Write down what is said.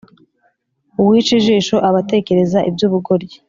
uwica ijisho aba atekereza iby’ubugoryi,